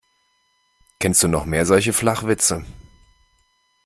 Kennst du noch mehr solche Flachwitze?